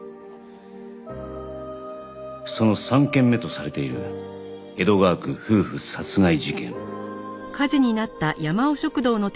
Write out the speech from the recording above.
その３件目とされている江戸川区夫婦殺害事件